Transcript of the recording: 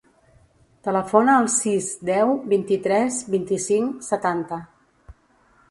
Telefona al sis, deu, vint-i-tres, vint-i-cinc, setanta.